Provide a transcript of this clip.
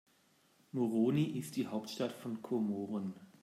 Moroni ist die Hauptstadt von Komoren.